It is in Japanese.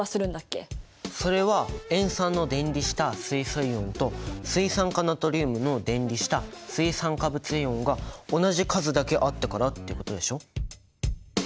それは塩酸の電離した水素イオンと水酸化ナトリウムの電離した水酸化物イオンが同じ数だけあったからってことでしょ？